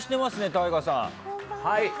ＴＡＩＧＡさん。